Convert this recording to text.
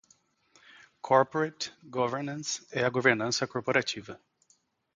Corporate Governance é a governança corporativa.